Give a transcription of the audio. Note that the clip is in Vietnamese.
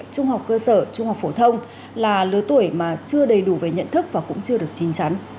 trung học cơ sở trung học phổ thông là lứa tuổi mà chưa đầy đủ về nhận thức và cũng chưa được chinh chắn